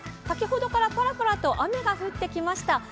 先ほどからパラパラと雨が降ってきました。